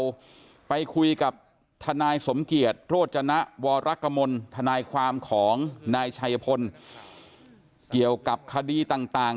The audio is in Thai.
เราไปคุยกับทนายสมเกียจโรจนะวรกมลทนายความของนายชัยพลเกี่ยวกับคดีต่าง